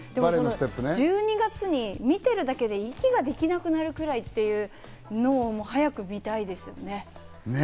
１２月に見てるだけで息ができなくなるくらいっていうのを早く見たいですね。